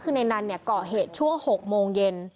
คือในนั้นก่อเหตุช่วง๖โมงเย็น